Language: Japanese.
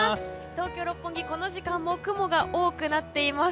東京・六本木、この時間も雲が多くなっています。